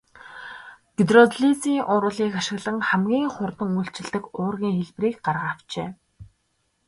Гидролизын урвалыг ашиглан хамгийн хурдан үйлчилдэг уургийн хэлбэрийг гарган авчээ.